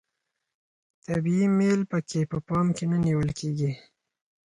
طبیعي میل پکې په پام کې نه نیول کیږي.